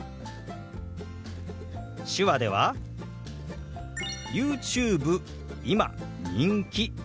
手話では「ＹｏｕＴｕｂｅ今人気」となります。